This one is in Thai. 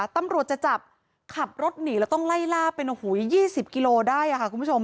ตำรวจจะจับขับรถหนีแล้วต้องไล่ล่าเป็น๒๐กิโลได้ค่ะคุณผู้ชม